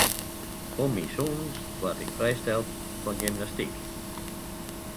Om myn sûnens waard ik frijsteld fan gymnastyk.